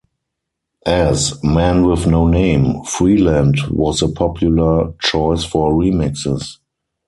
As Man With No Name, Freeland was a popular choice for remixes.